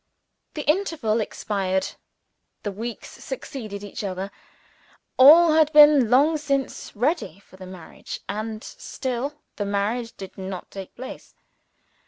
The interval expired; the weeks succeeded each other. All had been long since ready for the marriage and still the marriage did not take place.